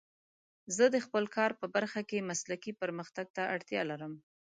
زه د خپل کار په برخه کې مسلکي پرمختګ ته اړتیا لرم.